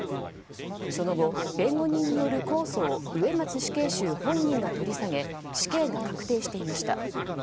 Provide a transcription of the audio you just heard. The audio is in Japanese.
その後、弁護人による控訴を植松死刑囚本人が取り下げ死刑が確定していました。